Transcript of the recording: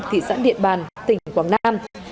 thị xã điện bàn tỉnh quảng nam